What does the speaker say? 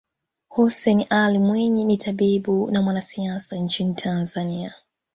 Hussein Ally Mwinyi ni tabibu na mwanasiasa nchini Tanzania